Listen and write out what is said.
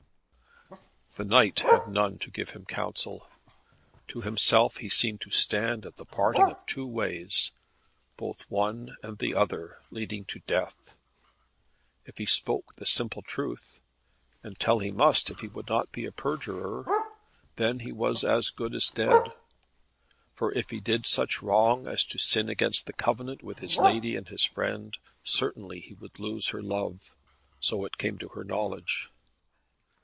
The knight had none to give him counsel. To himself he seemed to stand at the parting of two ways, both one and the other leading to death. If he spoke the simple truth (and tell he must if he would not be a perjurer) then was he as good as dead; for if he did such wrong as to sin against the covenant with his lady and his friend, certainly he would lose her love, so it came to her knowledge.